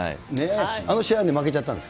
あの試合、負けちゃったんです。